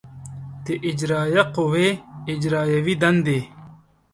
د اجرایه قوې اجرایوې دندې